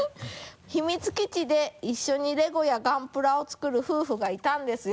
秘密基地で一緒にレゴやガンプラを作る夫婦がいたんですよ。